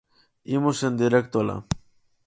Imos en directo alá.